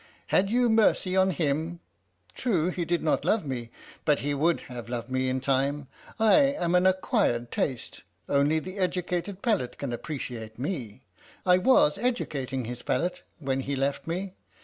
" Had you mercy on him ? True, he did not love me, but he would have loved me in time. I am an acquired taste only the educated palate can appreciate me. I was educating his palate when he left me.